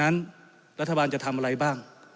หลังจากนั้นรัฐบาลจะทำอะไรบ้าง